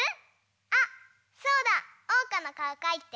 あそうだ！おうかのかおかいて！